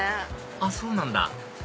あっそうなんだ